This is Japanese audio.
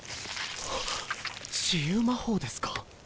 治癒魔法ですか？